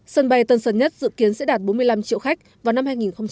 sân bay tân sơn nhất dự kiến sẽ đạt bốn mươi năm triệu khách vào năm hai nghìn hai mươi